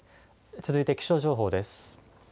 続いて気象情報です。